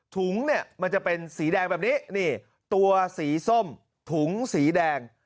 ถุงมันจะเป็นสีแดงแบบนี้ตัวสีส้มถุงสีแดง